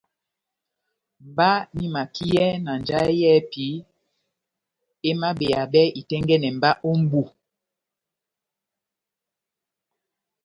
Mba nahimakiyɛ na njahɛ yɛ́hɛpi emabeyabɛ itɛ́ngɛ́nɛ mba ó mbu